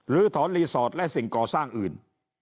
ถอนรีสอร์ทและสิ่งก่อสร้างอื่น